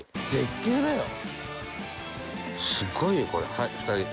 はい２人。